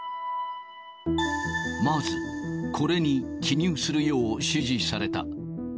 まず、これに記入するよう指示された。